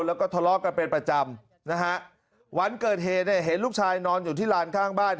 แล้วก็ทะเลาะกันเป็นประจำนะฮะวันเกิดเหตุเนี่ยเห็นลูกชายนอนอยู่ที่ลานข้างบ้าน